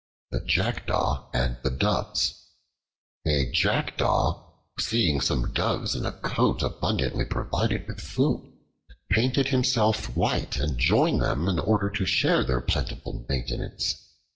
The Jackdaw and the Doves A JACKDAW, seeing some Doves in a cote abundantly provided with food, painted himself white and joined them in order to share their plentiful maintenance.